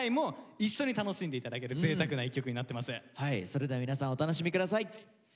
それでは皆さんお楽しみ下さい。